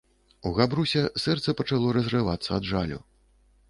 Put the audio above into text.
У Габруся сэрца пачало разрывацца ад жалю...